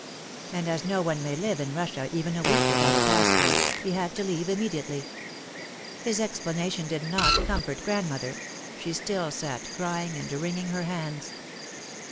And as no one may live in Russia even a week without a passport, he had to leave immedi ately. His explanation did not comfort grandmother; she still sat crying and wringing her hands.